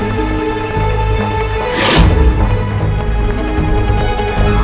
kau akan dihukum